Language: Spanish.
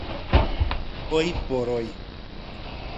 Hoy por Hoy.